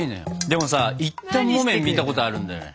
でもさ一反木綿見たことあるんだよね。